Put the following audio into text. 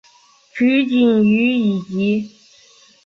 取景于以及。